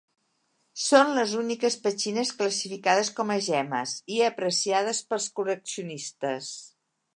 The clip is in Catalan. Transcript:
Són les úniques petxines classificades com a gemmes i apreciades pels col·leccionistes.